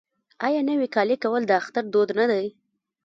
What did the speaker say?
آیا نوی کالی کول د اختر دود نه دی؟